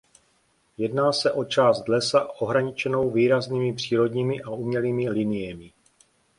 Jedná se o část lesa ohraničenou výraznými přírodními a umělými liniemi.